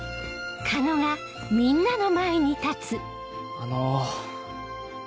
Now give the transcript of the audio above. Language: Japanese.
あの。